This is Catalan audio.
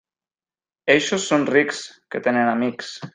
Eixos són rics, que tenen amics.